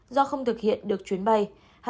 do không thực hiện được chuyến bay